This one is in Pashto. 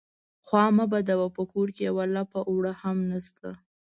_خوا مه بدوه، په کور کې يوه لپه اوړه هم نشته.